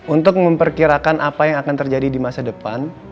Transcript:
untuk memperkirakan apa yang akan terjadi di masa depan